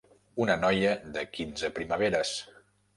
Una noia de quinze primaveres.